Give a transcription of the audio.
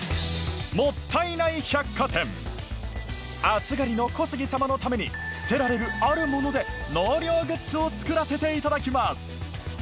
暑がりの小杉様のために捨てられるあるもので納涼グッズを作らせていただきます。